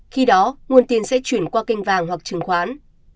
khi đó nguồn tiền sẽ chuyển qua kênh vàng hoặc chứng khoán